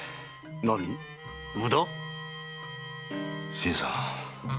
新さん